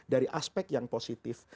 dari aspek yang positif